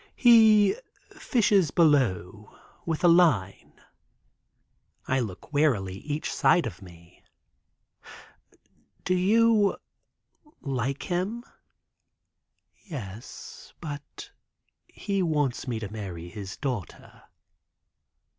"He fishes below with a line." I look warily each side or me. "Do you like him?" "Yes, but he wants me to marry his daughter."